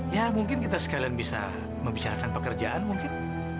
ya mungkin kita sekalian bisa membicarakan pekerjaan mungkin